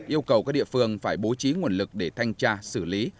yêu cầu các địa phương phải bố trí nguồn lực để thanh tra xử lý